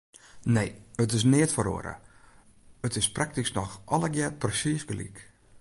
Nee, it is neat feroare, it is praktysk noch allegear presiis gelyk.